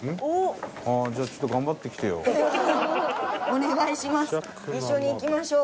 お願いします。